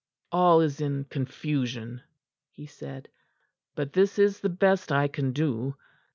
"All is in confusion," he said, "but this is the best I can do."